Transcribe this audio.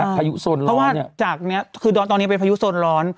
พายุโซนร้อนเพราะว่าจากนี้คือตอนนี้เป็นพายุโซนร้อน